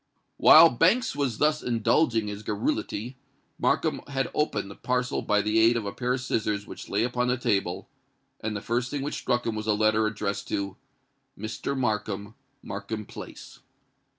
While Banks was thus indulging his garrulity, Markham had opened the parcel by the aid of a pair of scissors which lay upon the table; and the first thing which struck him was a letter addressed to "Mr. Markham, Markham Place."